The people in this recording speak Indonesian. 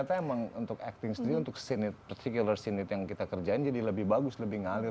memang untuk acting sendiri untuk scene nya particular scene nya yang kita kerjain jadi lebih bagus lebih ngalir